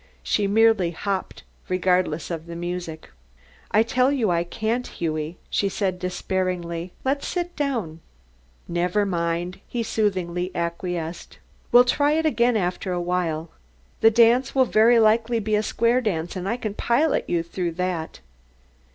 She merely hopped, regardless of the music. "I tell you I can't, Hughie," she said, despairingly. "Let's sit down." "Never mind," soothingly as he acquiesced, "we'll try it again after a while. The next will very likely be a square dance and I can pilot you through that."